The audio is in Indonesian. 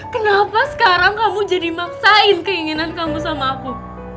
kenapa sekarang kamu jadi maksain keinginan kamu sama aku